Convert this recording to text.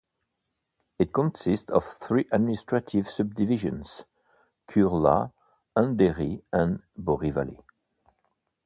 It consists of three administrative subdivisions : Kurla, Andheri, and Borivali.